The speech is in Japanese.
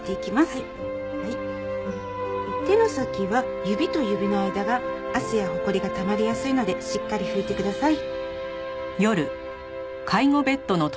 手の先は指と指の間が汗やホコリがたまりやすいのでしっかり拭いてください。